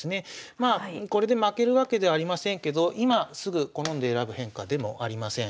まあこれで負けるわけではありませんけど今すぐ好んで選ぶ変化でもありません。